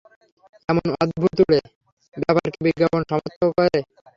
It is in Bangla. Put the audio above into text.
এমন অদ্ভুতুড়ে ব্যাপার কি বিজ্ঞান সমর্থন করে?